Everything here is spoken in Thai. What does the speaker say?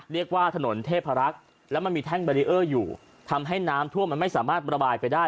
เรียกว่าถนนเทพรักษ์แล้วมันมีแท่งแบรีเออร์อยู่ทำให้น้ำท่วมมันไม่สามารถระบายไปได้